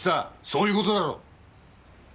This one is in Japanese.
そういうことだろう？